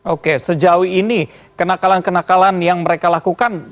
oke sejauh ini kenakalan kenakalan yang mereka lakukan